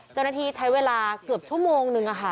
เจ้าหน้าที่ใช้เวลาเกือบชั่วโมงนึง